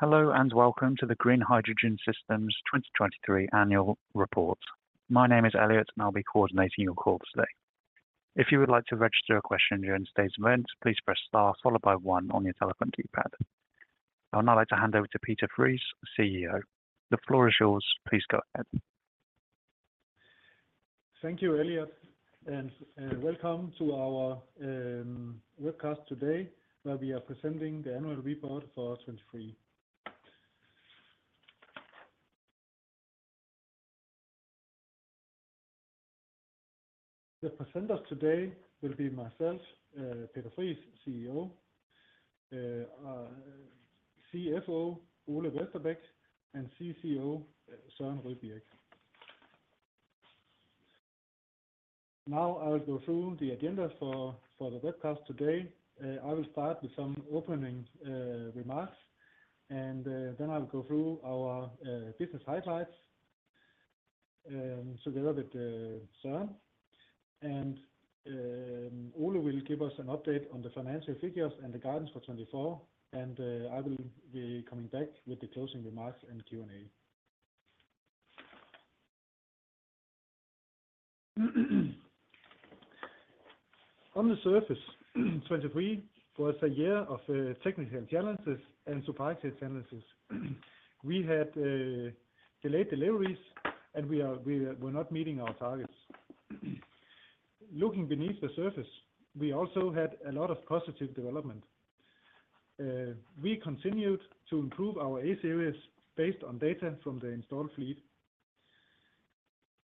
Hello, and welcome to the Green Hydrogen Systems 2023 annual report. My name is Elliot, and I'll be coordinating your call today. If you would like to register a question during today's event, please press star followed by one on your telephone keypad. I would now like to hand over to Peter Friis, CEO. The floor is yours. Please go ahead. Thank you, Elliot, and welcome to our webcast today, where we are presenting the annual report for 2023. The presenters today will be myself, Peter Friis, CEO, CFO Ole Vesterbæk, and CCO Søren Rydbirk. Now, I will go through the agenda for the webcast today. I will start with some opening remarks, and then I'll go through our business highlights together with Søren, and Ole will give us an update on the financial figures and the guidance for 2024, and I will be coming back with the closing remarks and Q&A. On the surface, 2023 was a year of technical challenges and supply chain challenges. We had delayed deliveries, and we were not meeting our targets. Looking beneath the surface, we also had a lot of positive development. We continued to improve our A-Series based on data from the installed fleet.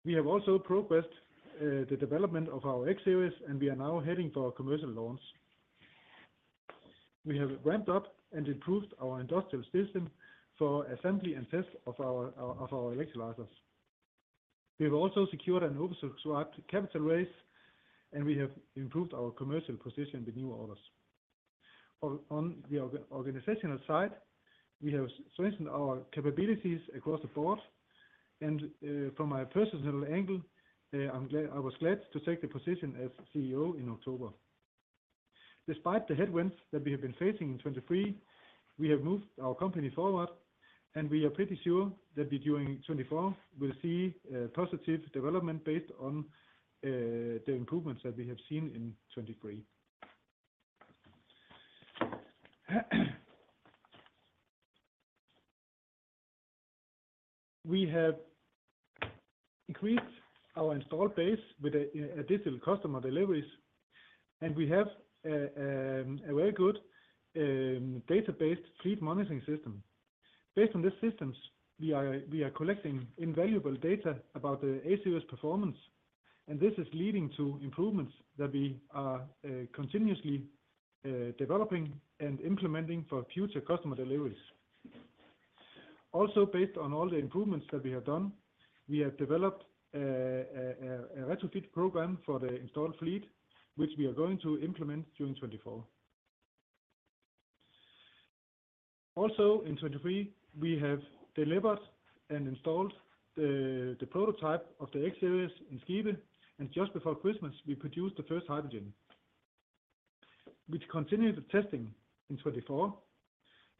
We have also progressed the development of our X-Series, and we are now heading for commercial launch. We have ramped up and improved our industrial system for assembly and test of our electrolyzers. We have also secured an oversubscribed capital raise, and we have improved our commercial position with new orders. On the organizational side, we have strengthened our capabilities across the board, and from my personal angle, I was glad to take the position as CEO in October. Despite the headwinds that we have been facing in 2023, we have moved our company forward, and we are pretty sure that during 2024, we'll see positive development based on the improvements that we have seen in 2023. We have increased our installed base with additional customer deliveries, and we have a very good data-based fleet monitoring system. Based on these systems, we are collecting invaluable data about the A-Series performance, and this is leading to improvements that we are continuously developing and implementing for future customer deliveries. Also, based on all the improvements that we have done, we have developed a retrofit program for the installed fleet, which we are going to implement during 2024. Also, in 2023, we have delivered and installed the prototype of the X-Series in Skive, and just before Christmas, we produced the first hydrogen, which continued the testing in 2024.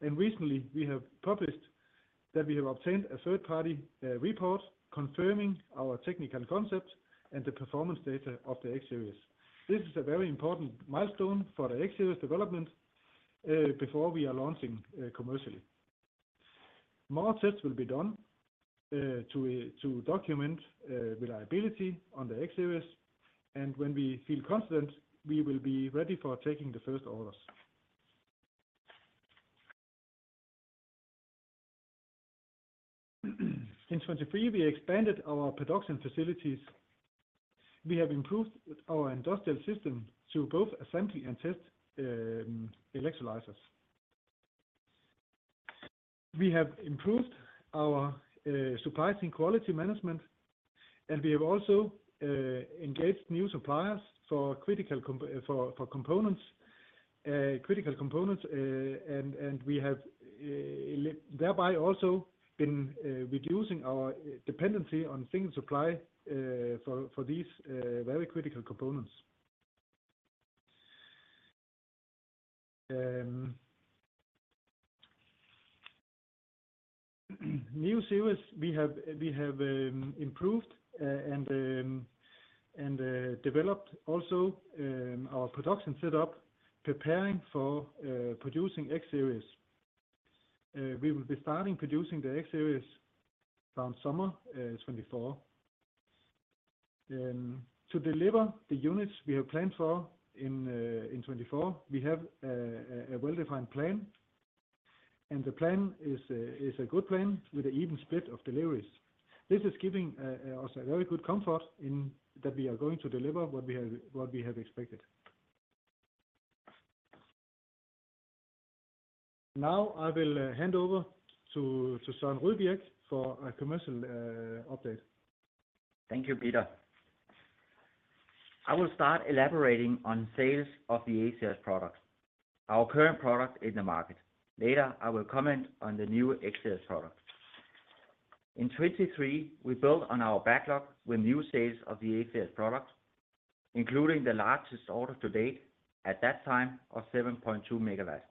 Recently, we have published that we have obtained a third-party report confirming our technical concept and the performance data of the X-Series. This is a very important milestone for the X-Series development, before we are launching commercially. More tests will be done to document reliability on the X-Series, and when we feel confident, we will be ready for taking the first orders. In 2023, we expanded our production facilities. We have improved our industrial system to both assembly and test electrolyzers. We have improved our supply chain quality management, and we have also engaged new suppliers for critical components, and we have thereby also been reducing our dependency on single supply for these very critical components. New series we have improved and developed also our production setup, preparing for producing X-Series. We will be starting producing the X-Series around summer 2024. To deliver the units we have planned for in 2024, we have a well-defined plan, and the plan is a good plan with an even split of deliveries. This is giving us a very good comfort in that we are going to deliver what we have, what we have expected. Now, I will hand over to Søren Rydbirk for a commercial update. Thank you, Peter. I will start elaborating on sales of the A-Series products, our current product in the market. Later, I will comment on the new X-Series product... In 2023, we built on our backlog with new sales of the A-Series products, including the largest order to date at that time of 7.2 megawatts.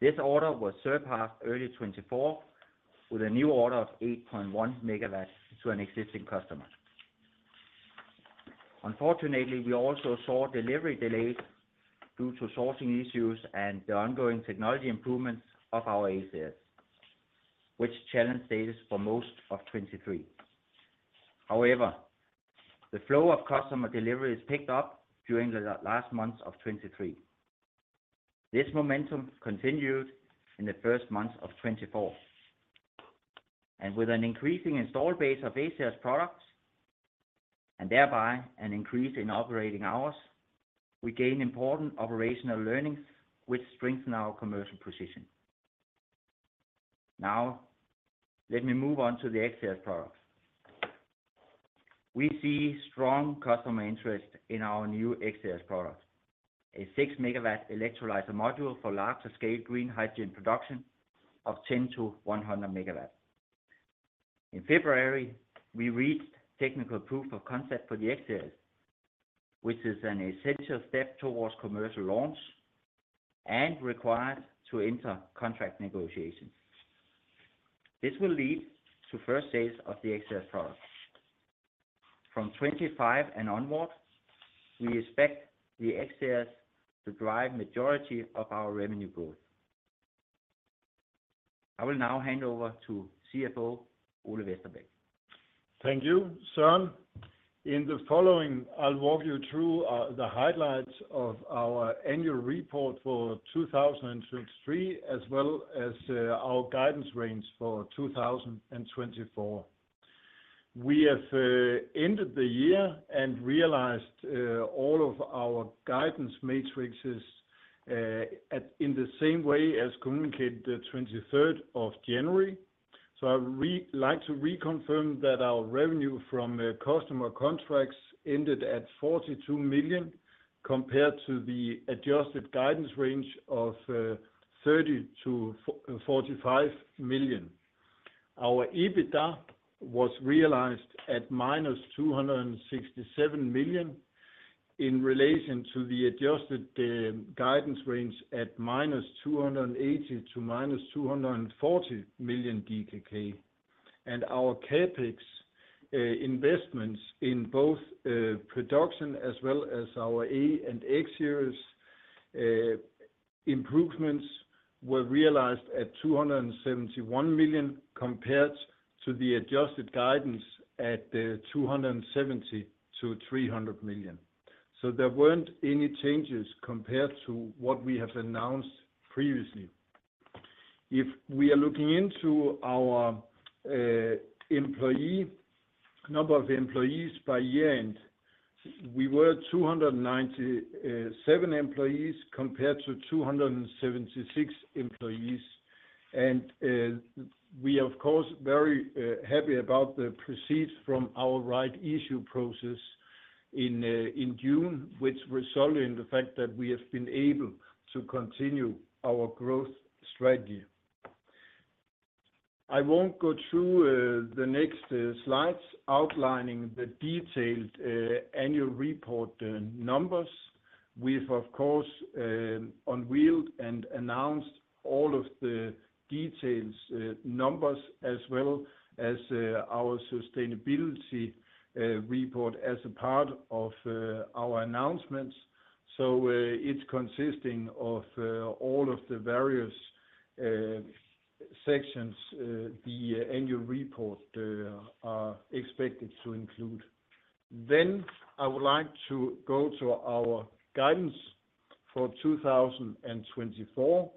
This order was surpassed early 2024, with a new order of 8.1 megawatts to an existing customer. Unfortunately, we also saw delivery delays due to sourcing issues and the ongoing technology improvements of our A-Series, which challenged sales for most of 2023. However, the flow of customer deliveries picked up during the last months of 2023. This momentum continued in the first months of 2024, and with an increasing install base of A-Series products, and thereby an increase in operating hours, we gained important operational learnings, which strengthened our commercial position. Now, let me move on to the X-Series products. We see strong customer interest in our new X-Series product, a 6 MW electrolyzer module for larger scale green hydrogen production of 10-100 MW. In February, we reached technical proof of concept for the X-Series, which is an essential step towards commercial launch and required to enter contract negotiations. This will lead to first sales of the X-Series product. From 2025 and onwards, we expect the X-Series to drive majority of our revenue growth. I will now hand over to CFO Ole Vesterbæk. Thank you, Søren. In the following, I'll walk you through the highlights of our annual report for 2023, as well as our guidance range for 2024. We have ended the year and realized all of our guidance metrics at in the same way as communicated the 23rd of January. I would like to reconfirm that our revenue from customer contracts ended at 42 million, compared to the adjusted guidance range of 30 million-45 million. Our EBITDA was realized at -267 million, in relation to the adjusted guidance range at -280 million--240 million DKK DKK. Our CapEx investments in both production as well as our A-Series and X-Series improvements were realized at 271 million, compared to the adjusted guidance at 270-300 million. So there weren't any changes compared to what we have announced previously. If we are looking into our employee number of employees by year-end, we were 297 employees, compared to 276 employees. And we are, of course, very happy about the proceeds from our rights issue process in in June, which resulted in the fact that we have been able to continue our growth strategy. I won't go through the next slides, outlining the detailed annual report numbers. We've, of course, unveiled and announced all of the detailed numbers, as well as, our sustainability report as a part of our announcements. So, it's consisting of all of the various sections the annual report are expected to include. Then, I would like to go to our guidance for 2024,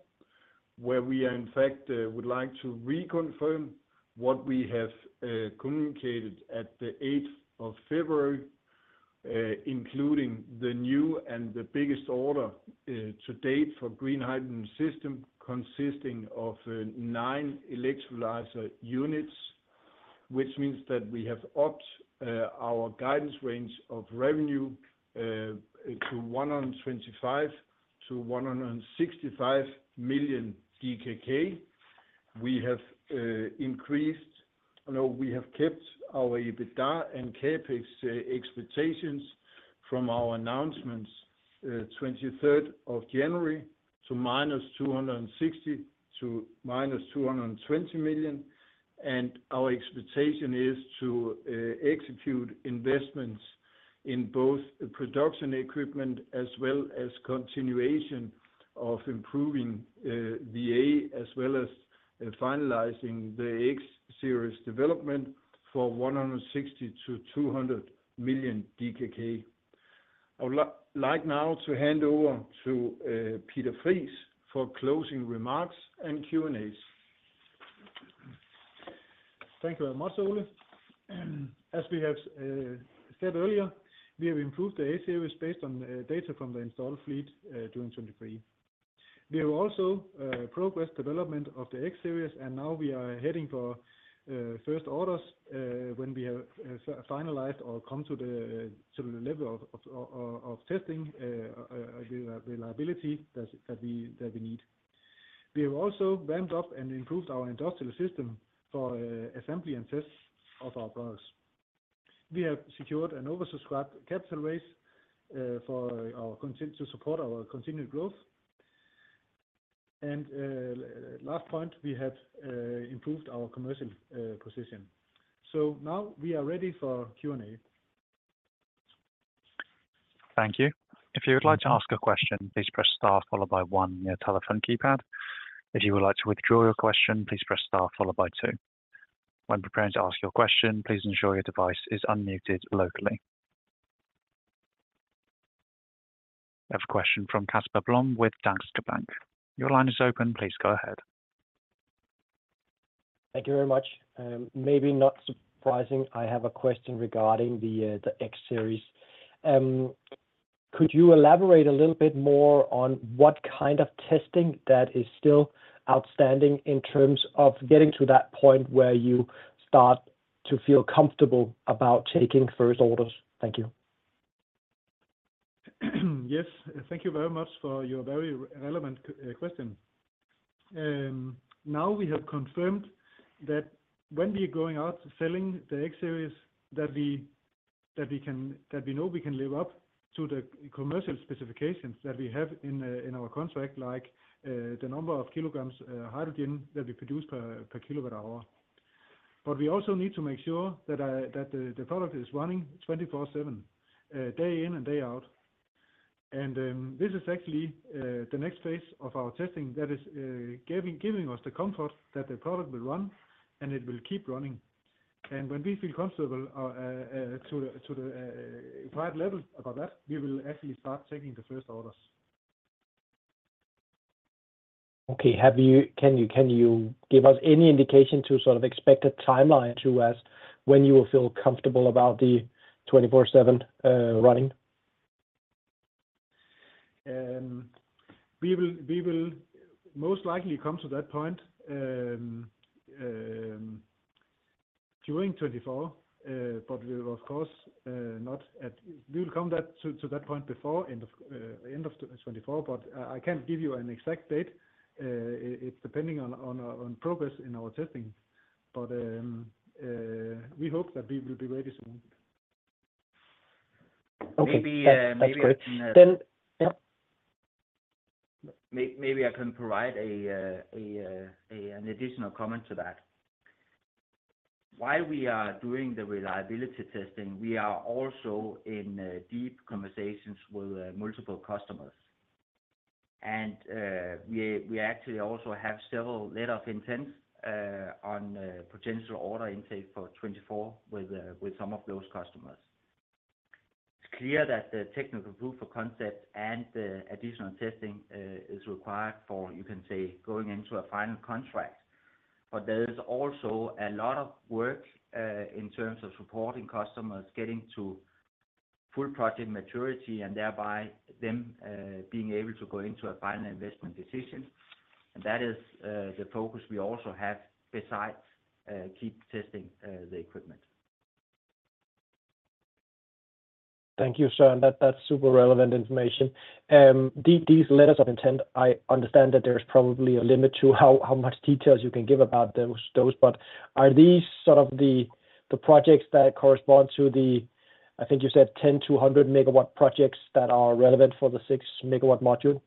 where we are, in fact, would like to reconfirm what we have communicated at the eighth of February, including the new and the biggest order to date for Green Hydrogen Systems, consisting of 9 electrolyzer units, which means that we have upped our guidance range of revenue to 125 million-165 million DKK. We have increased... No, we have kept our EBITDA and CapEx expectations from our announcements twenty-third of January, to -260 to -220 million, and our expectation is to execute investments in both production equipment, as well as continuation of improving the A, as well as finalizing the X-Series development for 160 million-200 million DKK. I would like now to hand over to Peter Friis for closing remarks and Q&As. Thank you very much, Ole. As we have said earlier, we have improved the A-Series based on data from the installed fleet during 2023. We have also progressed development of the X-Series, and now we are heading for first orders when we have finalized or come to the level of testing the reliability that we need. We have also ramped up and improved our industrial system for assembly and tests of our products. We have secured an oversubscribed capital raise to support our continued growth. And, last point, we have improved our commercial position. So now we are ready for Q&A. Thank you. If you would like to ask a question, please press star followed by one on your telephone keypad. If you would like to withdraw your question, please press star followed by two. When preparing to ask your question, please ensure your device is unmuted locally. I have a question from Casper Blom with Danske Bank. Your line is open. Please go ahead. Thank you very much. Maybe not surprising, I have a question regarding the X-Series. Could you elaborate a little bit more on what kind of testing that is still outstanding in terms of getting to that point where you start to feel comfortable about taking first orders? Thank you. Yes, thank you very much for your very relevant question. Now we have confirmed that when we are going out selling the X-Series, that we know we can live up to the commercial specifications that we have in our contract, like the number of kilograms hydrogen that we produce per kilowatt hour. But we also need to make sure that the product is running 24/7 day in and day out. And this is actually the next phase of our testing that is giving us the comfort that the product will run, and it will keep running. And when we feel comfortable to the required level about that, we will actually start taking the first orders. Okay. Have you... Can you, can you give us any indication to sort of expected timeline to us when you will feel comfortable about the 24/7 running? We will most likely come to that point during 2024, but we will, of course, come to that point before end of 2024, but I can't give you an exact date. It's depending on progress in our testing. But we hope that we will be ready soon. Okay, that's, that's great. Maybe, maybe I can, Then, yeah. Maybe I can provide an additional comment to that. While we are doing the reliability testing, we are also in deep conversations with multiple customers. And we actually also have several letters of intent on potential order intake for 2024 with some of those customers. It's clear that the technical proof of concept and the additional testing is required for, you can say, going into a final contract, but there is also a lot of work in terms of supporting customers, getting to full project maturity, and thereby them being able to go into a final investment decision. And that is the focus we also have, besides keep testing the equipment. Thank you, Søren. That, that's super relevant information. These letters of intent, I understand that there's probably a limit to how much details you can give about those, but are these sort of the projects that correspond to the, I think you said 10-100 MW projects that are relevant for the 6 MW module?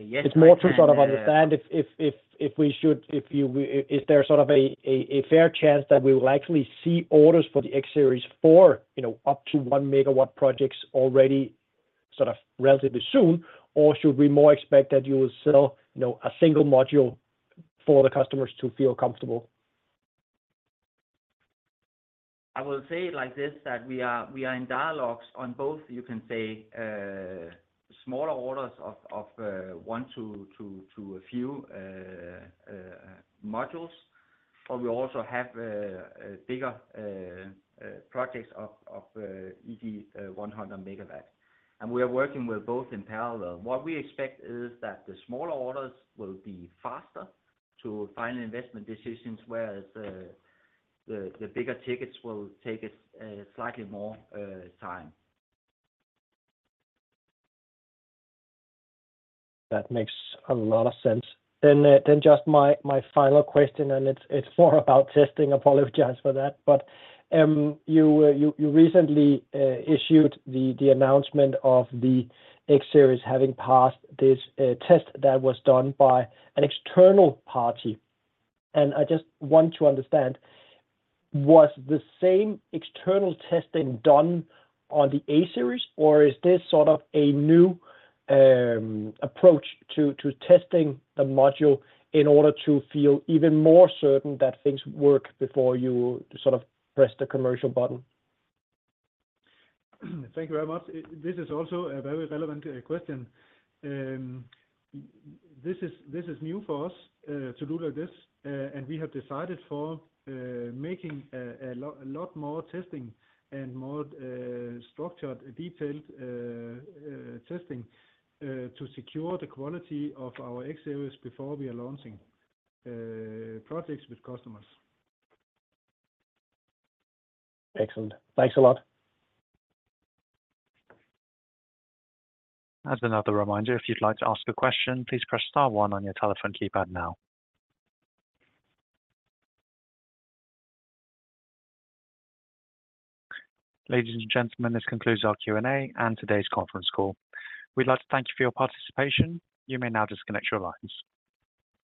Yes, I can. It's more to sort of understand if we should... If you, is there sort of a fair chance that we will actually see orders for the X-Series for, you know, up to 1 MW projects already, sort of relatively soon, or should we more expect that you will sell, you know, a single module for the customers to feel comfortable? I will say it like this, that we are in dialogues on both. You can say smaller orders of 1 to a few modules, but we also have bigger projects of, e.g., 100 MW. We are working with both in parallel. What we expect is that the smaller orders will be faster to final investment decisions, whereas the bigger tickets will take us slightly more time. That makes a lot of sense. Then just my final question, and it's more about testing. I apologize for that, but you recently issued the announcement of the X-Series having passed this test that was done by an external party. And I just want to understand, was the same external testing done on the A-Series, or is this sort of a new approach to testing the module in order to feel even more certain that things work before you sort of press the commercial button? Thank you very much. This is also a very relevant question. This is new for us to do like this, and we have decided for making a lot more testing and more structured, detailed testing to secure the quality of our X-Series before we are launching projects with customers. Excellent. Thanks a lot. As another reminder, if you'd like to ask a question, please press star one on your telephone keypad now. Ladies and gentlemen, this concludes our Q&A and today's conference call. We'd like to thank you for your participation. You may now disconnect your lines.